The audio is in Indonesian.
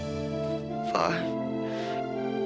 fah kapan ya aku bisa ketemu sama kamu lagi